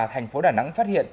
thành phố đà nẵng phát hiện